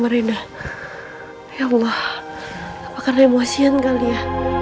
seperti aku kasar deh sama rina ya allah karena emosian kali ya